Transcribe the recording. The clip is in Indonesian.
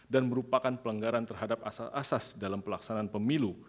dan merupakan pelanggaran terhadap asas asas dalam pelaksanaan pemilu